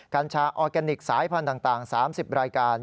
กัญชาออร์แกนิคสายพันธุ์ต่าง๓๐รายการ